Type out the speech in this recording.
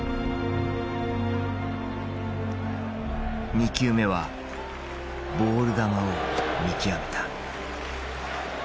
２球目はボール球を見極めた。